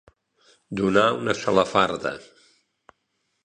Donar una salafarda.